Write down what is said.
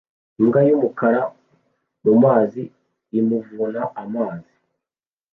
Imbwa yumukara mumazi imuvuna amazi